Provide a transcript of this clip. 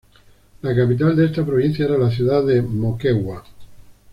La capital de esta provincia era la ciudad de Moquegua.